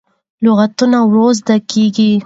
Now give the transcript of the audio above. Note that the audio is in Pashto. لغتونه ورو زده کېږي.